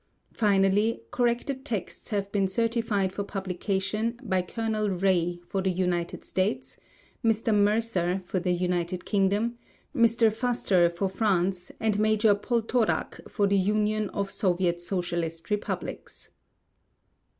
Finally, corrected texts have been certified for publication by Colonel Ray for the United States, Mr. Mercer for the United Kingdom, Mr. Fuster for France, and Major Poltorak for the Union of Soviet Socialist Republics.